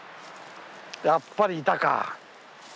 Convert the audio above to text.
やっぱりいたか。